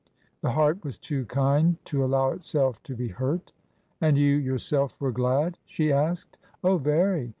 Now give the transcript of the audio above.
The heart was too kind to allow itself to be hurt. And you yourself were glad ?" she asked. Oh, very.